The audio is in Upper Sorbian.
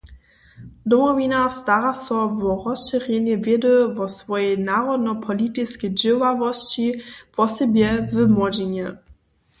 Domowina stara so wo rozšěrjenje wědy wo swojej narodnopolitiskej dźěławosći, wosebje w młodźinje.